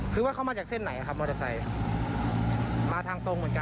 คือว่าเขามาจากเส้นไหนครับมอเตอร์ไซค์มาทางตรงเหมือนกัน